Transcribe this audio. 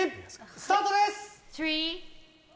スタートです！